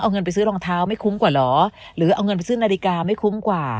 เอาเงินไปซื้อรองเท้าไม่คุ้มกว่าเหรอหรือเอาเงินไปซื้อนาฬิกาไม่คุ้มกว่า